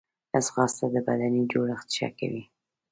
ځغاسته د بدني جوړښت ښه کوي